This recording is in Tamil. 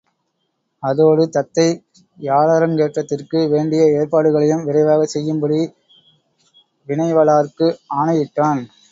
அதோடு தத்தை யாழரங்கேற்றத்திற்கு வேண்டிய ஏற்பாடுகளையும் விரைவாகச் செய்யும்படி வினைவலார்க்கு ஆணையிட்டான்.